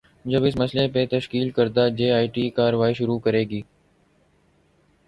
جب اس مسئلے پہ تشکیل کردہ جے آئی ٹی کارروائی شروع کرے گی۔